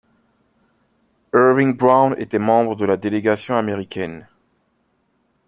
Irving Brown était membre de la délégation américaine.